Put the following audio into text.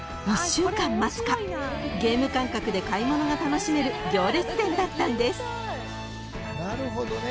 ［ゲーム感覚で買い物が楽しめる行列店だったんです］